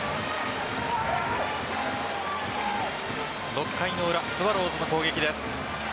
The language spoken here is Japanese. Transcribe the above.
６回の裏、スワローズの攻撃です。